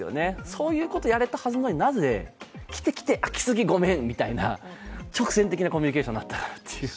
そういうことやれたはずなのに来て来て、あ、「来すぎ、ごめん」みたいな直線的なコミュニケーションになってしまったのかと。